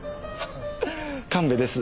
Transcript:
神戸です。